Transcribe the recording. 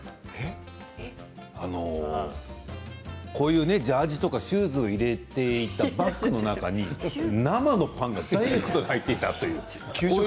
こういうね、ジャージとかシューズを入れていたバッグの中に生のパンがダイレクトに入っていたという。